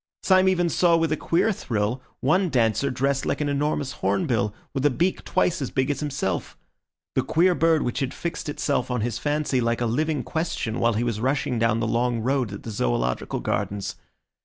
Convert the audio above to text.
Syme even saw, with a queer thrill, one dancer dressed like an enormous hornbill, with a beak twice as big as himself—the queer bird which had fixed itself on his fancy like a living question while he was rushing down the long road at the Zoological Gardens.